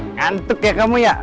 ngantuk ya kamu ya